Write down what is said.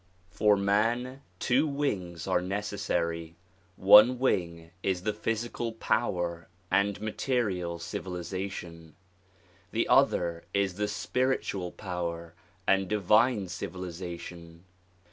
For man, two wings are necessary. One wing is the physical power and material civilization; the other is the spiritual power and divine civilization.